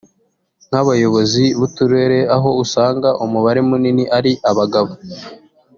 nk’abayobozi b’uturere aho usanga umubare munini ari abagabo